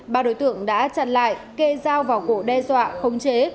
ba đối tượng đã chặn lại kê dao vào cổ đe dọa khống chế